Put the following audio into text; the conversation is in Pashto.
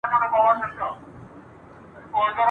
پر پخواني حالت نوره هم زیاته کړي !.